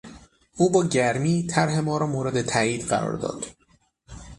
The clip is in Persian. او با گرمی طرح ما را مورد تایید قرار داد.